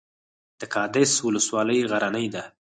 د قادس ولسوالۍ غرنۍ ده